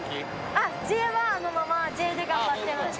あっＪはあのままＪで頑張ってます。